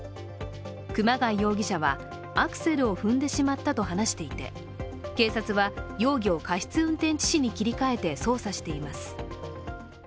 熊谷容疑者は、アクセルを踏んでしまったと話していて警察は、容疑を過失運転致死に切り替えて捜査しています。